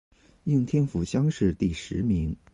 应天府乡试第十名。